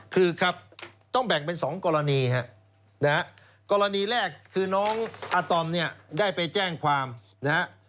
คือครับต้องแบ่งเป็น๒กรณีฮะนะฮะกรณีแรกคือน้องอาตอมเนี่ยได้ไปแจ้งความนะฮะ